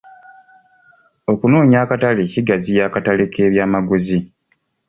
Okunoonya akatale kugaziya akatale k'ebyamaguzi.